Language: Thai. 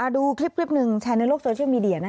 ดูคลิปหนึ่งแชร์ในโลกโซเชียลมีเดียนะ